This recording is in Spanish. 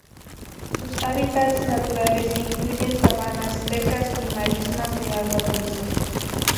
Sus hábitats naturales incluyen sabanas secas y marismas de agua dulce.